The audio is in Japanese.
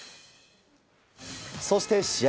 そして試合